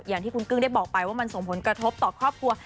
อย่างที่คุณกึ้งได้บอกไปว่ามันส่งผลกระทบต่อครอบครัว